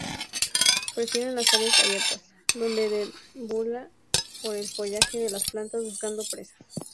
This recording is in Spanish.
Prefieren las áreas abiertas, donde deambula por el follaje de las plantas buscando presas.